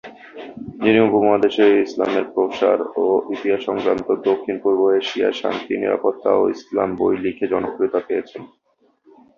যিনি উপমহাদেশে ইসলামের প্রসার ও ইতিহাস সংক্রান্ত "দক্ষিণপূর্ব এশিয়ায় শান্তি, নিরাপত্তা ও ইসলাম" বই লিখে জনপ্রিয়তা পেয়েছেন।